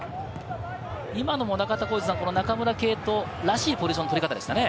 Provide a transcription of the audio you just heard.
今のも中田さん、中村敬斗らしいポジションの取り方ですかね。